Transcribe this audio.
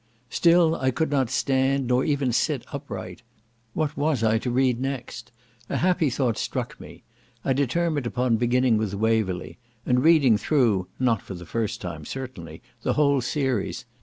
Still I could not stand, nor even sit upright. What was I to read next? A happy thought struck me. I determined upon beginning with Waverley, and reading through (not for the first time certainly) the whole series.